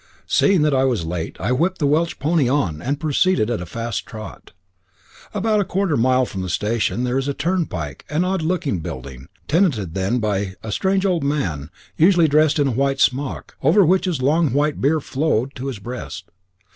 Seeing that I was late, I whipped the Welsh pony on, and proceeded at a fast trot. At about a quarter mile from the station there is a turnpike an odd looking building, tenanted then by a strange old man, usually dressed in a white smock, over which his long white beard flowed to his breast.